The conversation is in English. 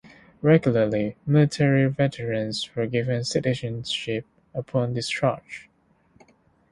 Regularly, military veterans were given citizenship upon discharge.